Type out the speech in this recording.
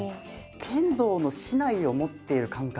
剣道の竹刀を持っている感覚。